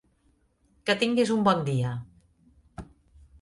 Que tinguis un bon dia.